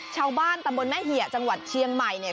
ชาวบ้านตำบลแม่เหี่ยจังหวัดเชียงใหม่เนี่ย